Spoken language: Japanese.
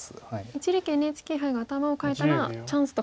一力ＮＨＫ杯が頭をかいたらチャンスと感じている。